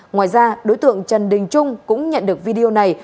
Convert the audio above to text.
ngoài ra đối tượng trần đình trung cũng nhận được video này